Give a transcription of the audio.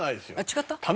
違った？